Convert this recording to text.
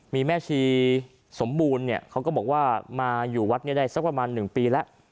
มีแม่ชีสมบูรณ์เนี่ยเขาก็บอกว่ามาอยู่วัดนี้ได้สักประมาณ๑ปีแล้ว